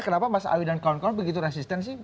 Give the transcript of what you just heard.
kenapa mas awi dan kawan kawan begitu resisten sih